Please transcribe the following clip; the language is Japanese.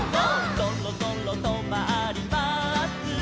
「そろそろとまります」